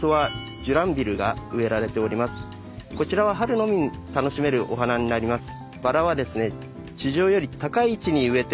こちらは春のみ楽しめるお花になります。